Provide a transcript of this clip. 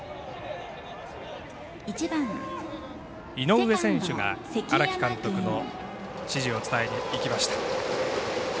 井上選手が荒木監督の指示を伝えにいきました。